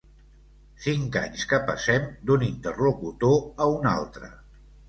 Cinc anys que passem d'un interlocutor a un altre.